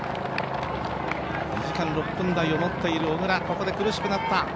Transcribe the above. ２時間６分台を持っている小椋、ここで苦しくなった。